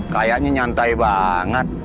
kayaknya nyantai banget